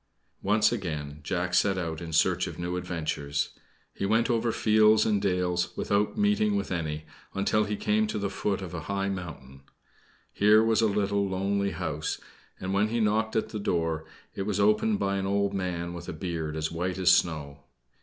Once again, Jack set out in search of new adventures. He went over fields and dales without meeting with any, until he came to the foot of a high mountain. Here was a little, lonely house; and when he knocked at the door it was opened by an old man with a beard as white as snow.